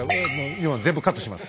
今の全部カットします。